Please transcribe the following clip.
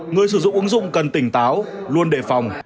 người sử dụng ứng dụng cần tỉnh táo luôn đề phòng